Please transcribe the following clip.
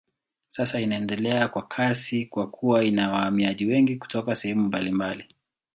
Sasa inaendelea kwa kasi kwa kuwa ina wahamiaji wengi kutoka sehemu mbalimbali.